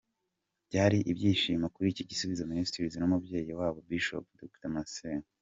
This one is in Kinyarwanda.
Byari ibyishimo kuri Gisubizo Ministries n'umubyeyi wabo Bishop Dr Masengo.